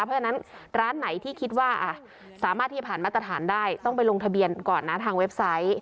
เพราะฉะนั้นร้านไหนที่คิดว่าสามารถที่จะผ่านมาตรฐานได้ต้องไปลงทะเบียนก่อนนะทางเว็บไซต์